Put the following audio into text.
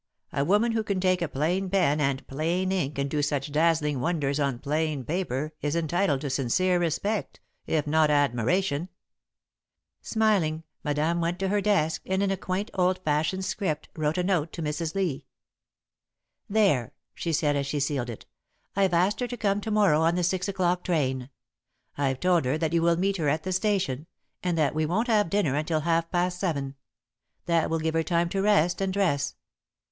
A woman who can take a plain pen, and plain ink, and do such dazzling wonders on plain paper, is entitled to sincere respect, if not admiration." [Sidenote: An Invitation] Smiling, Madame went to her desk, and in a quaint, old fashioned script, wrote a note to Mrs. Lee. "There," she said, as she sealed it. "I've asked her to come to morrow on the six o'clock train. I've told her that you will meet her at the station, and that we won't have dinner until half past seven. That will give her time to rest and dress.